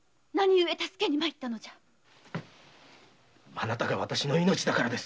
あなたがわたしの命だからです。